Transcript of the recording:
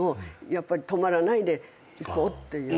やっぱり止まらないでいこうっていう？